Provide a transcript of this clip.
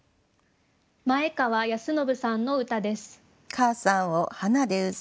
前川泰信さんの歌です。